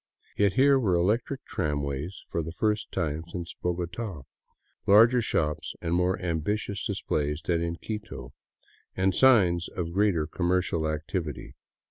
Yet here were electric tramways for the first time since Bogota, larger shops and more ambitious dis plays than* in Quito, and signs of greater commercial activity.